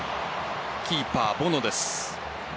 キーパー・ボノです。